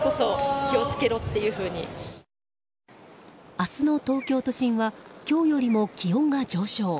明日の東京都心は今日よりも気温が上昇。